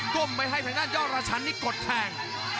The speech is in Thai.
ก้มไปให้แผ่นด้านย่อละชันที่กดแทง